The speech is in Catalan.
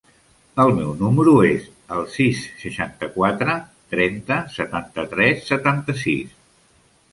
El meu número es el sis, seixanta-quatre, trenta, setanta-tres, setanta-sis.